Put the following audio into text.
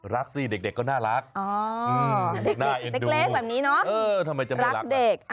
รักสิเด็กก็น่ารักน่าเอ็ดดูรักเด็ก